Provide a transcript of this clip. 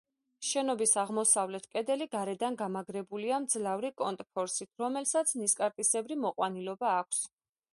შენობის აღმოსავლეთ კედელი გარედან გამაგრებულია მძლავრი კონტრფორსით, რომელსაც ნისკარტისებრი მოყვანილობა აქვს.